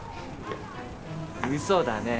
うそだね。